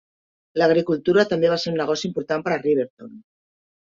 L'agricultura també va ser un negoci important per a Riverton.